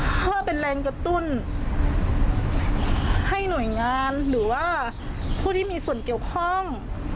เพื่อเป็นแรงกระตุ้นให้หน่วยงานหรือว่าผู้ที่มีส่วนเกี่ยวข้อง